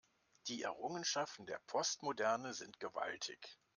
Die Errungenschaften der Postmoderne sind gewaltig.